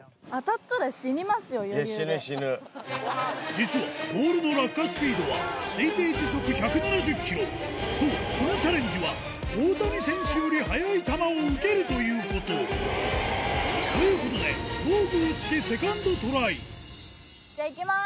実はボールの落下スピードはそうこのチャレンジは大谷選手より速い球を受けるということということでゴー！